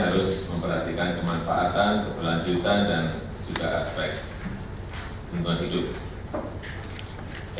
harus memperhatikan kemanfaatan keberlanjutan dan juga aspek lingkungan hidup